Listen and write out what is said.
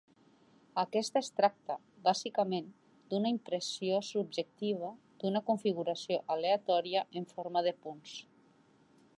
Aquesta es tracta, bàsicament, d'una impressió subjectiva d'una configuració aleatòria en forma de punts.